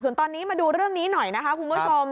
ส่วนตอนนี้มาดูเรื่องนี้หน่อยนะคะคุณผู้ชม